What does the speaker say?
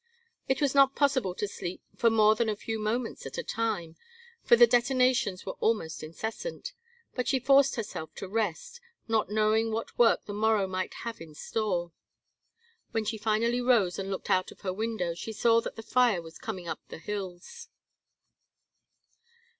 It was not possible to sleep for more than a few moments at a time, for the detonations were almost incessant, but she forced herself to rest, not knowing what work the morrow might have in store. When she finally rose and looked out of her window she saw that the fire was coming up the hills.